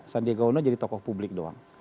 sandiaga uno jadi tokoh publik doang